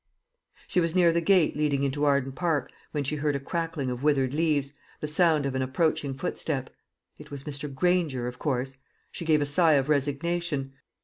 She was near the gate leading into Arden Park, when she heard a crackling of withered leaves, the sound of an approaching footstep. It was Mr. Granger, of course. She gave a sigh of resignation.